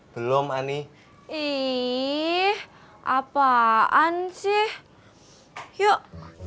hei kenapa lo masuk